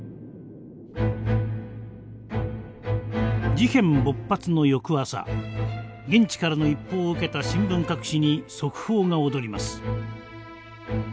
事変勃発の翌朝現地からの一報を受けた新聞各紙に速報が躍ります。